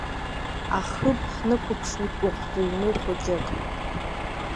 Ахыб ҳнықәыԥшуеит ӷәтәы ҩны хәыҷык.